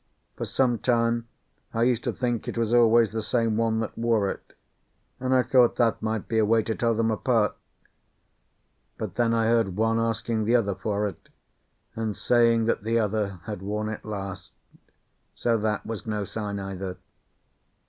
For some time I used to think it was always the same one that wore it, and I thought that might be a way to tell them apart. But then I heard one asking the other for it, and saying that the other had worn it last. So that was no sign either.